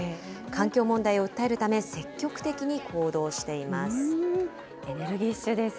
環境問題を訴えるため、積極的に行動しています。